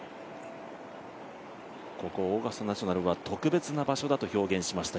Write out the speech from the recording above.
ここオーガスタ・ナショナルは特別な場所だと表現しました